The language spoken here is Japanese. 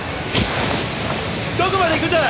どこまで行くんだ！